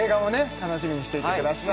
楽しみにしていてください